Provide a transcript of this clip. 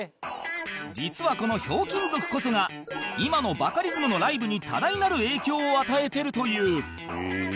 実はこの『ひょうきん族』こそが今のバカリズムのライブに多大なる影響を与えてるという